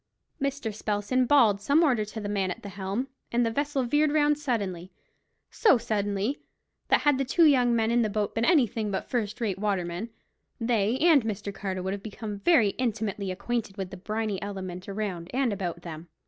Mr. Spelsand bawled some order to the man at the helm, and the vessel veered round suddenly; so suddenly, that had the two young men in the boat been anything but first rate watermen, they and Mr. Carter would have become very intimately acquainted with the briny element around and about them.